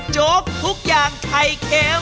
โจ๊กทุกอย่างไข่เค็ม